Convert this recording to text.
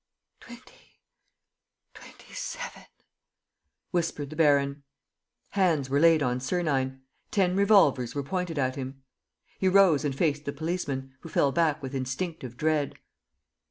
"Twenty ... twenty seven," whispered the baron. Hands were laid on Sernine. Ten revolvers were pointed at him. He rose and faced the policemen, who fell back with instinctive dread.